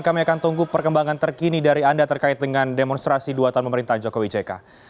kami akan tunggu perkembangan terkini dari anda terkait dengan demonstrasi dua tahun pemerintahan jokowi jk